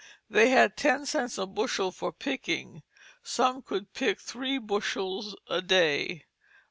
They had ten cents a bushel for picking. Some could pick three bushels a day."